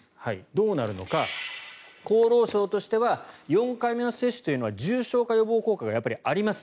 どうなるのか、厚労省としては４回目接種は重症化予防効果がやっぱりあります